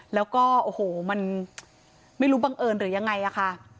แล้วก็โอ้โหมันไม่รู้บังเอิญหรือยังไงอะค่ะ